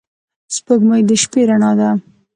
سپوږمۍ د شپې رڼا ده